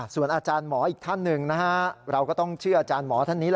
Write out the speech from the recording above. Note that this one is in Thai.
ส่วนอาจารย์หมออีกท่านหนึ่งนะฮะเราก็ต้องเชื่ออาจารย์หมอท่านนี้